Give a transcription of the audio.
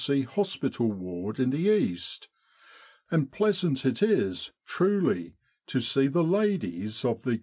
C. hospital ward in the East; and pleasant it is, truly, to see the ladies of the Q.